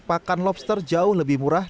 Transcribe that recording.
pakan lobster jauh lebih murah